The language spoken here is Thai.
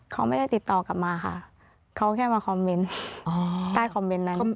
เขาไม่ได้ติดต่อกลับมาค่ะเขาแค่มาคอมเมนต์ใต้คอมเมนต์นั้น